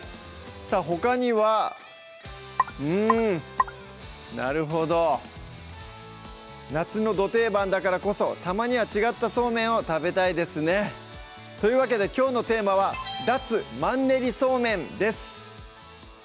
さぁほかにはうんなるほど夏のど定番だからこそたまには違ったそうめんを食べたいですねというわけできょうのテーマは「脱マンネリ！そうめん」です